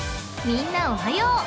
［みんなおはよう］